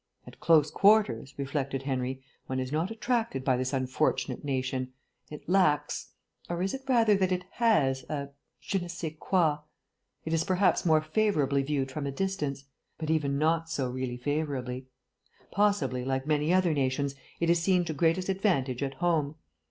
"At close quarters," reflected Henry, "one is not attracted by this unfortunate nation. It lacks or is it rather that it has a je ne sais quoi.... It is perhaps more favourably viewed from a distance: but even so not really favourably. Possibly, like many other nations, it is seen to greatest advantage at home.